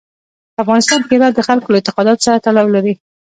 په افغانستان کې هرات د خلکو له اعتقاداتو سره تړاو لري.